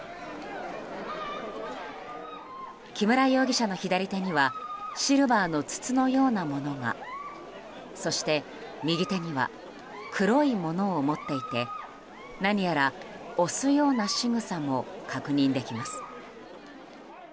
木村容疑者の左手にはシルバーの筒のようなものがそして右手には黒いものを持っていて何やら押すようなしぐさも確認できます。